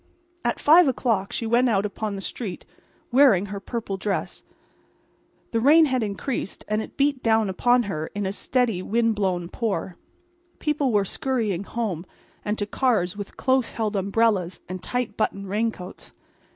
At five o'clock she went out upon the street wearing her purple dress. The rain had increased, and it beat down upon her in a steady, wind blown pour. People were scurrying home and to cars with close held umbrellas and tight buttoned raincoats.